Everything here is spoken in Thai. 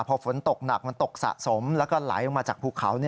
พอฝนตกหนักมันตกสะสมแล้วก็ไหลลงมาจากภูเขา